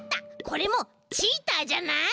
これもチーターじゃない？